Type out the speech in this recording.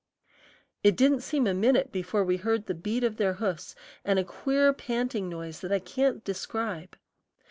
It didn't seem a minute before we heard the beat of their hoofs and a queer panting noise that I can't describe.